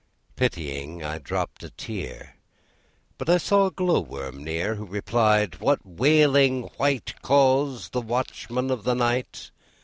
Pitying, I dropped a tear: But I saw a glow worm near, Who replied, 'What wailing wight Calls the watchman of the night?